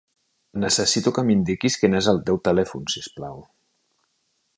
Necessito que m'indiquis quin és el teu telèfon, si us plau.